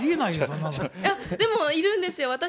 いや、でも、いるんですよ。